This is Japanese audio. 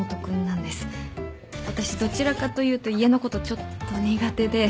私どちらかというと家のことちょっと苦手で。